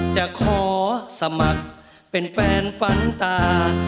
จะขอสมัครเป็นแฟนฝันตา